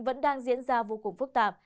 vẫn đang diễn ra vô cùng phức tạp